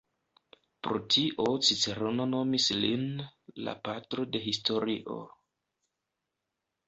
Pro tio Cicerono nomis lin "la patro de historio".